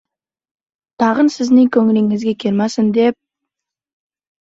— Tag‘in sizning ko‘nglingizga kelmasin, deb...